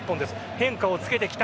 変化をつけてきた。